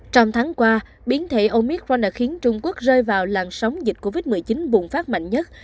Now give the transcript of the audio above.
trong tháng qua biến thể omicron đã khiến trung quốc rơi vào làn sóng dịch covid một mươi chín bùng phát mạnh nhất